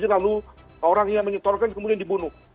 lalu orang yang menyetorkan kemudian dibunuh